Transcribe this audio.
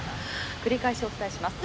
繰り返しお伝えします。